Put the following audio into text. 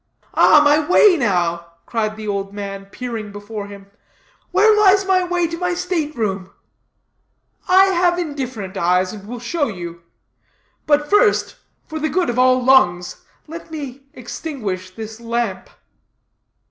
"Ah, my way now," cried the old man, peering before him, "where lies my way to my state room?" "I have indifferent eyes, and will show you; but, first, for the good of all lungs, let me extinguish this lamp."